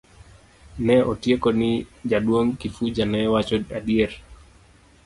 Ne otieko ni jaduong' Kifuja ne wacho adier.